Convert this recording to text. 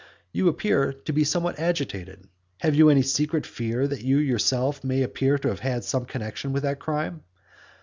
You appear to be somewhat agitated. Have you any secret fear that you yourself may appear to have had some connexion with that crime?